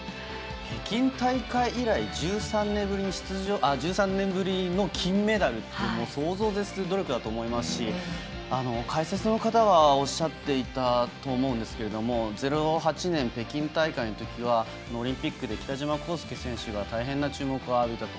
北京大会以来１３年ぶりの金メダルって想像を絶する努力だと思いますし解説の方がおっしゃっていたと思うんですけれども０８年北京大会のときは北島康介選手が大変な注目を浴びたと。